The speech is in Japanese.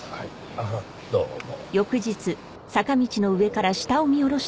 あっどうも。